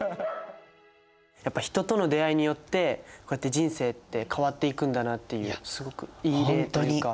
やっぱ人との出会いによってこうやって人生って変わっていくんだなっていうすごくいい例というか。